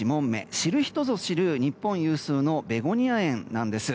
知る人ぞ知る日本有数のベゴニア園なんです。